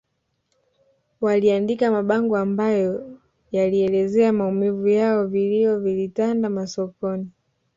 Waliandika mabango ambayo yalielezea maumivu yao vilio vilitanda masokoni